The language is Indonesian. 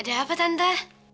ada apa tante